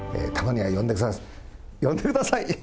たまには呼んで、呼んでください。